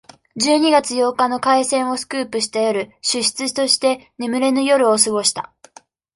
十二月八日の開戦をスクープした夜、主筆として、眠れぬ夜を過ごした。